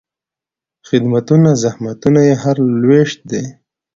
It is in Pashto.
خدمتونه، زحمتونه یې هر لوېشت دي